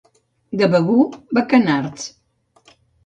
De Begur, bacanards.